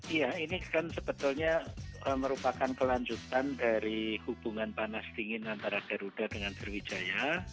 iya ini kan sebetulnya merupakan kelanjutan dari hubungan panas dingin antara garuda dengan sriwijaya